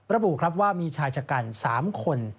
ระบุว่ามีชายชกัล๓คน